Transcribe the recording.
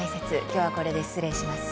今日はこれで失礼します。